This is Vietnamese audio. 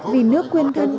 vì nước quyên thân